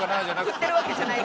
振ってるわけじゃない。